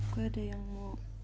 gue ada yang mau